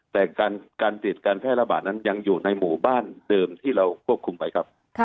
แต่การติดการแพร่ระบาดนั้นยังอยู่ในหมู่บ้านเดิมที่เราควบคุมไปครับ